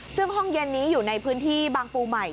ซึ่งห้องเย็นนี้อยู่ในพื้นที่บางปูใหม่